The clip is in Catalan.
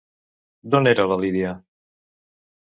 D'on era la Lidia?